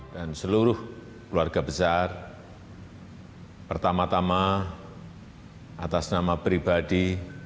dan seluruh keluarga besar pertama tama atas nama pribadi